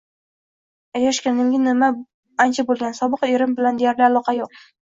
Ajrashganimga ancha bo‘lgan, sobiq erim bilan deyarli aloqa yo‘q.